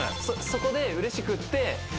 そこでうれしくって。